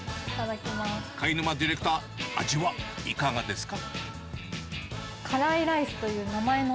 貝沼ディレクター、味はいかがですか。